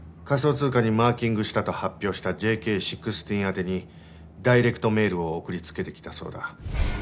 仮想通貨にマーキングしたと発表したＪＫ１６宛てにダイレクトメールを送りつけてきたそうだ